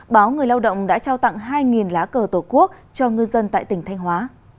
báo người lao động đã trao tặng hai lá cờ tổ quốc cho ngư dân tại tỉnh thanh hóa